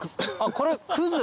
これクズ？